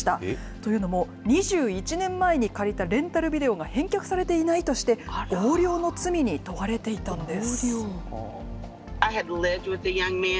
というのも２１年前に借りたレンタルビデオが返却されていないとして、横領の罪に問われていたんです。